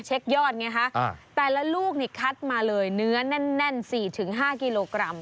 เช็คยอดไงคะอ่าแต่ละลูกนี่คัดมาเลยเนื้อนแน่นแน่นสี่ถึงห้ากิโลกรัม